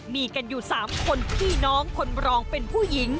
มีกันอยู่๓คนพี่น้องคนรองเป็นผู้หญิง